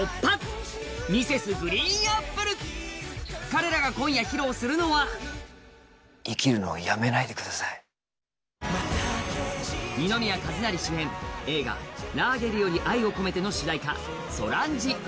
彼らが今夜、披露するのは二宮和也主演、映画「ラーゲリより愛を込めて」の主題歌、「Ｓｏｒａｎｊｉ」。